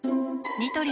ニトリ